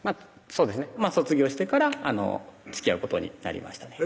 そうですね卒業してからつきあうことになりましたね